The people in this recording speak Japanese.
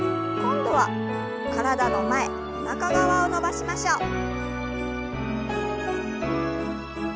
今度は体の前おなか側を伸ばしましょう。